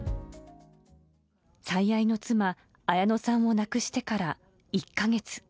最愛の妻、綾乃さんを亡くしてから１か月。